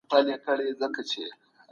دا موضوع د ډاکټر زیار لخوا بیان شوه.